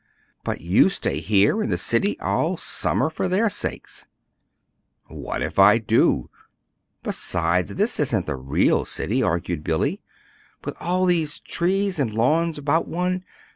"But you stay here in the city all summer for their sakes." "What if I do? Besides, this isn't the real city," argued Billy, "with all these trees and lawns about one.